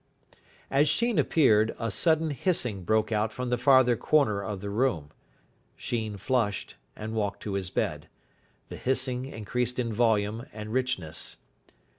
As Sheen appeared, a sudden hissing broke out from the farther corner of the room. Sheen flushed, and walked to his bed. The hissing increased in volume and richness.